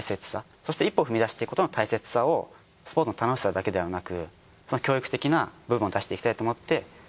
そして１歩踏み出していくことの大切さをスポーツの楽しさだけではなくその教育的な部分を出していきたいと思って。